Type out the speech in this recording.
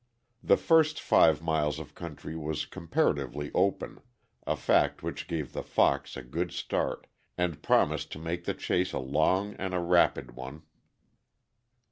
The first five miles of country was comparatively open, a fact which gave the fox a good start and promised to make the chase a long and a rapid one.